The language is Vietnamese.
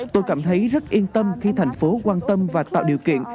tôi cảm thấy rất yên tâm khi thành phố quan tâm và tạo điều kiện